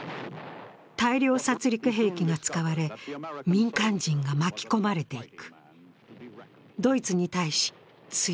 大量殺りく兵器が使われ、民間人が巻き込まれていく。